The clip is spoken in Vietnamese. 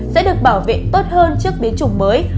sẽ được bảo vệ tốt hơn trước biến chủng mới